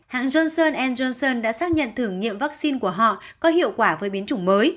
hãng johnson johnson đã xác nhận thử nghiệm vaccine của họ có hiệu quả với biến chủng mới